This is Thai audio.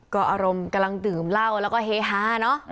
ก็อารมณ์กำลังดื่มเหล้าแล้วก็เฮฮาเนอะ